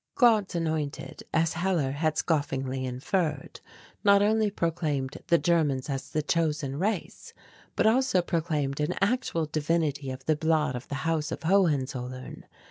"God's Anointed," as Hellar had scoffingly inferred, not only proclaimed the Germans as the chosen race, but also proclaimed an actual divinity of the blood of the House of Hohenzollern.